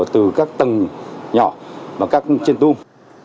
từ các tầng nhỏ và các trên tung